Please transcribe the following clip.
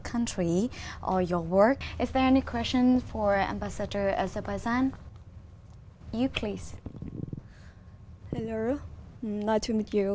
công việc của tôi là mang thức ăn của chúng tôi